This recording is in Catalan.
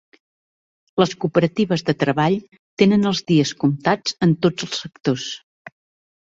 Les cooperatives de treball tenen els dies comptats en tots els sectors.